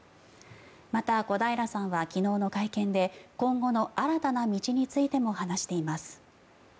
また、小平さんは昨日の会見で今後の新たな道についても話しています。